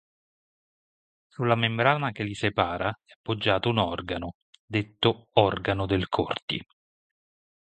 Sulla membrana che li separa è poggiato un organo, detto "organo del Corti".